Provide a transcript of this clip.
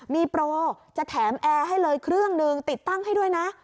มีโปรจะแถมแอร์ให้เลยเครื่องหนึ่งติดตั้งให้ด้วยนะ